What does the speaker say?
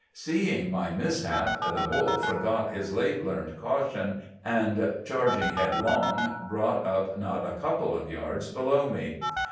"Seeing my mishap, the bull forgot his late learned caution, and, charging headlong, brought up not a couple of yards below me.